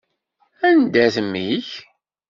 Anda-t mmi-k?